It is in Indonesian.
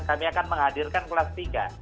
kami akan menghadirkan kelas tiga